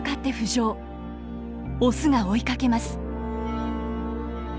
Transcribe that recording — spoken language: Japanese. オスが追いかけます！